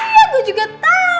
iya gue juga tau